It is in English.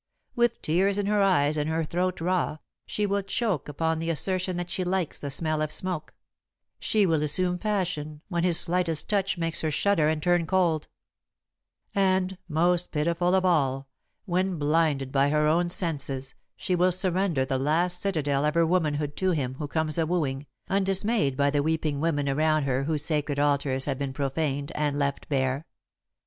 With tears in her eyes and her throat raw, she will choke upon the assertion that she likes the smell of smoke; she will assume passion when his slightest touch makes her shudder and turn cold. [Sidenote: Her Estimate of Women] And, most pitiful of all, when blinded by her own senses, she will surrender the last citadel of her womanhood to him who comes a wooing, undismayed by the weeping women around her whose sacred altars have been profaned and left bare.